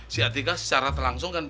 si atika secara terlangsung kan